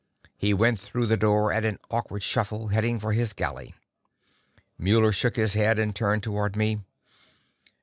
He went through the door at an awkward shuffle, heading for his galley. Muller shook his head, and turned toward me.